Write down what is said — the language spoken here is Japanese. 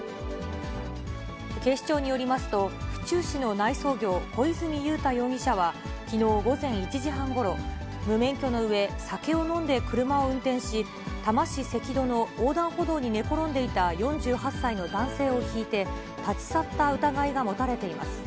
警視庁によりますと、府中市の内装業、小泉雄多容疑者は、きのう午前１時半ごろ、無免許のうえ、酒を飲んで車を運転し、多摩市関戸の横断歩道に寝転んでいた４８歳の男性をひいて、立ち去った疑いが持たれています。